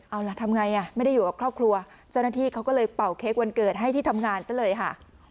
เอาล่ะทำไงอ่ะไม่ได้อยู่กับครอบครัวเจ้าหน้าที่เขาก็เลยเป่าเค้กวันเกิดให้ที่ทำงานซะเลยค่ะ